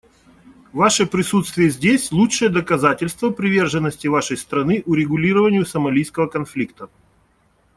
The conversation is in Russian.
Ваше присутствие здесь — лучшее доказательство приверженности Вашей страны урегулированию сомалийского конфликта.